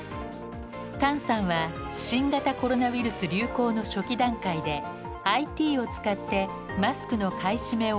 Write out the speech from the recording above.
タンさんは新型コロナウイルス流行の初期段階でＩＴを使ってマスクの買い占めを抑えるのに成功。